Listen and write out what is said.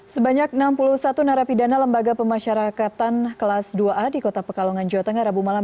sebanyak enam puluh satu narapidana lembaga pemasyarakatan kelas dua a di kota pekalongan jawa tengah rabu malam